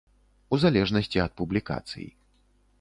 У залежнасці ад публікацый.